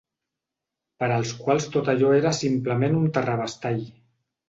Per als quals tot allò era simplement un terrabastall